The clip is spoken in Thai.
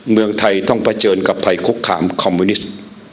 เมืองไทยต้องเผชิญกับภัยคุกคามคอมมิวนิสต์